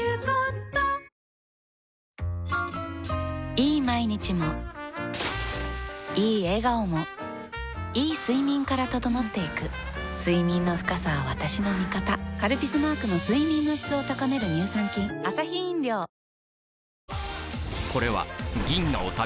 いい毎日もいい笑顔もいい睡眠から整っていく睡眠の深さは私の味方「カルピス」マークの睡眠の質を高める乳酸菌ふぅ